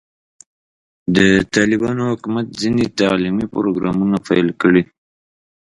د طالبانو حکومت ځینې تعلیمي پروګرامونه پیل کړي.